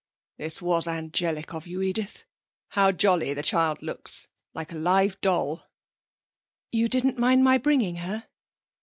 'This was angelic of you, Edith. How jolly the child looks! like a live doll.' 'You didn't mind my bringing her?'